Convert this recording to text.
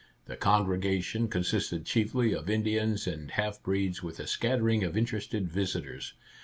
The congregation consisted chiefly of Indians and half breeds, with a scattering of interested visitors.